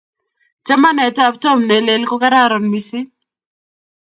Chamanetab Tom ne lel ko kararan missing